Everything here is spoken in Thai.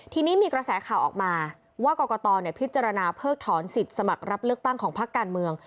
ทีนี้มีกระแสข่าวออกมาว่ากรกตพิจารณาเพิกถอนสิทธิ์สมัครรับเลือกตั้งของพักการเมือง